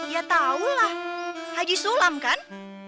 ya tau lah haji sulam kan